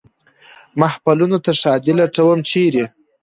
محفلونو ته ښادي لټوم ، چېرې ؟